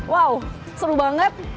wow seru banget